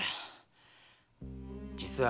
実は。